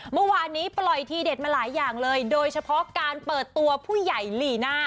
เมื่อวานนี้ปล่อยทีเด็ดมาหลายอย่างเลยโดยเฉพาะการเปิดตัวผู้ใหญ่ลีน่า